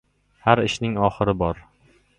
• Har ishning oxiri bor.